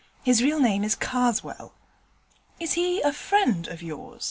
His real name is Karswell.' 'Is he a friend of yours?'